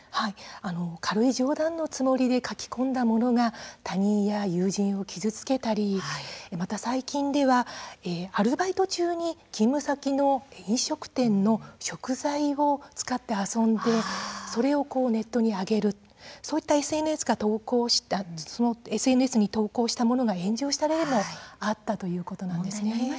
軽い冗談のつもりで書き込んだものが他人や友人を傷つけたりまた、最近ではアルバイト中に勤務先の飲食店の食材を使って遊んでそれをネットに上げるそういったＳＮＳに投稿されたものが炎上した例もあったんですね。